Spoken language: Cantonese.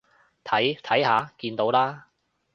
睇，睇下，見到啦？